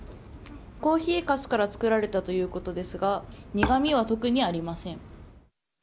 コーヒーかすから作られたということですが苦味は特にありません。